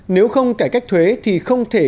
nếu không cải cách thuế thì không thể